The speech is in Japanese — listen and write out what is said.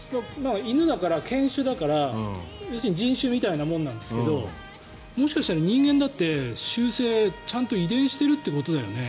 犬だから犬種だから人種みたいなものなんですけど人間だって習性、ちゃんと遺伝してるということだよね